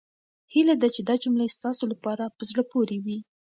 هيله ده چې دا جملې ستاسو لپاره په زړه پورې وي.